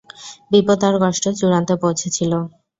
বিপদ আর কষ্ট চূড়ান্তে পৌঁছেছিল।